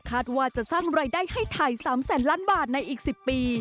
ว่าจะสร้างรายได้ให้ไทย๓แสนล้านบาทในอีก๑๐ปี